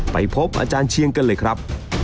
ไปพบอาจารย์เชียงกันเลยครับ